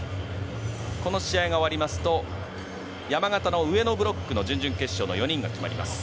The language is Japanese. この試合が終わりますと山形の上のブロックの準々決勝の４人が決まります。